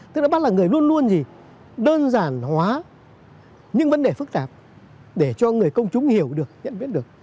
tức là bắt là người luôn luôn gì đơn giản hóa những vấn đề phức tạp để cho người công chúng hiểu được nhận biết được